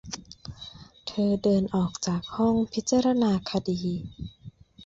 เธอเดินออกจากห้องพิจารณาคดี